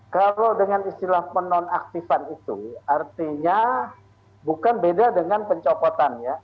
kalau dengan istilah penonaktifan itu artinya bukan beda dengan pencopotan ya